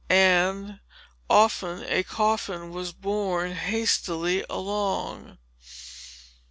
And, often a coffin was borne hastily along.